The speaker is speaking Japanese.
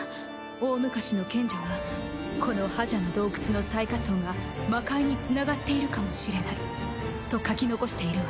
大昔の賢者はこの破邪の洞窟の最下層が魔界につながっているかもしれないと書き残しているわ。